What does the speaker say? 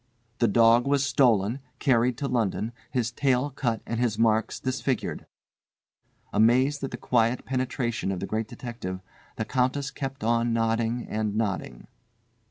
"The dog was stolen, carried to London, his tail cut and his marks disfigured." Amazed at the quiet penetration of the Great Detective, the Countess kept on nodding and nodding.